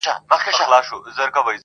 غټ غټ راته ګوري ستا تصویر خبري نه کوي,